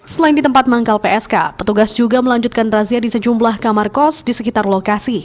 selain di tempat manggal psk petugas juga melanjutkan razia di sejumlah kamar kos di sekitar lokasi